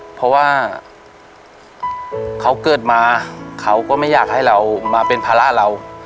เพราะว่าเขาเกิดมาเขาก็ไม่อยากให้เรามาเป็นภาระเรา